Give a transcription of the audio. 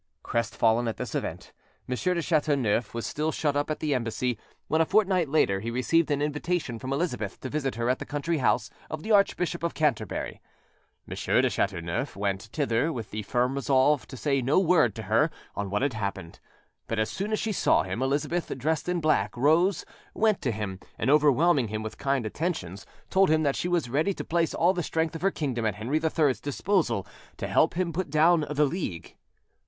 Crestfallen at this event, M. de Chateauneuf was still shut up at the Embassy, when, a fortnight later, he received an invitation from Elizabeth to visit her at the country house of the Archbishop of Canterbury. M. de Chateauneuf went thither with the firm resolve to say no word to her on what had happened; but as soon as she saw him, Elizabeth, dressed in black, rose, went to him, and, overwhelming him with kind attentions, told him that she was ready to place all the strength of her kingdom at Henry III's disposal to help him put down the League.